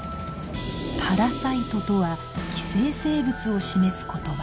パラサイトとは寄生生物を示す言葉